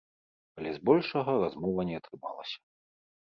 Але з большага размова не атрымалася.